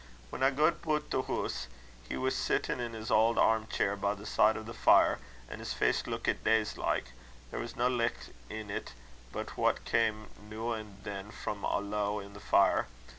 Whan I gaed butt the hoose, he was sittin' in's auld arm chair by the side o' the fire, an' his face luikit dazed like. There was no licht in't but what cam' noo an' than frae a low i' the fire.